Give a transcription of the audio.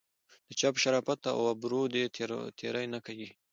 د چا په شرافت او ابرو دې تېری نه کیږي.